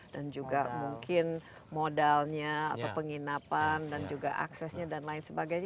dan juga mungkin modalnya atau penginapan dan juga aksesnya dan lain sebagainya